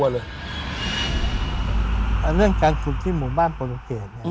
เรื่องการฝึกที่หมู่บ้านโปรตุเกต